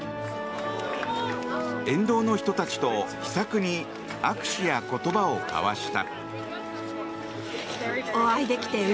沿道の人たちと気さくに握手や言葉を交わした。